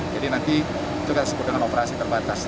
jadi nanti itu kita sebut dengan operasi terbatas